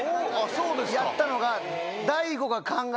やったのが。